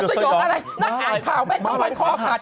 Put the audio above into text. เสียเฉียวอะไรนั่งอ่านข่าวแม่งต้องมันคอขาด